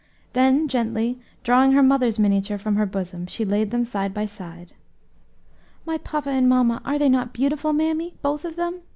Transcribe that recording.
Then gently drawing her mother's miniature from her bosom, she laid them side by side. "My papa and mamma; are they not beautiful, mammy? both of them?"